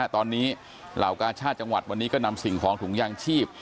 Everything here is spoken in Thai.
ตอนนี้เหล่ากาชาติจังหวัดวันนี้ก็นำสิ่งของถุงยางชีพ